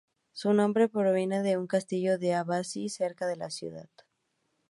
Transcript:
Su nombre proviene de un castillo de abasí cerca de la ciudad.